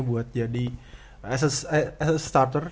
buat jadi ssl starter